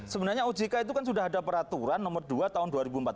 sebenarnya ojk itu kan sudah ada peraturan nomor dua tahun dua ribu empat belas